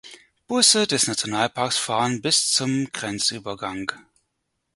Busse des Nationalparks fahren bis zum Grenzübergang.